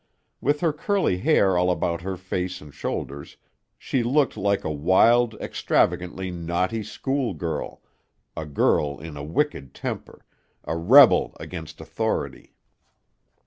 With her curly hair all about her face and shoulders, she looked like a wild, extravagantly naughty school girl, a girl in a wicked temper, a rebel against authority.